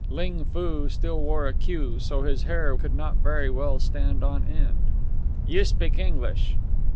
Ling Foo still wore a queue, so his hair could not very well stand on end. "You speak English."